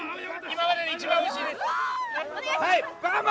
今までで一番おいしいです。